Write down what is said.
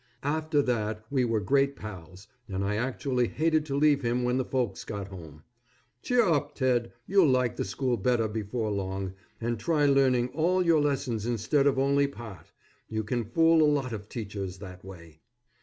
After that we were great pals, and I actually hated to leave him when the folks got home. Cheer up, Ted, you'll like the school better before long, and try learning all your lessons instead of only part; you can fool a lot of teachers that way.